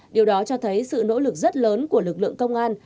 điều đó cho thấy sự nỗ lực rất lớn của lực lượng công an